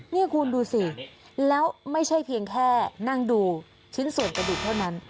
นี่คุณดูสิแล้วไม่ใช่เพียงแค่นั่งดูชิ้นส่วนกระดูกเท่านั้น